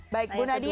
baik bu nadia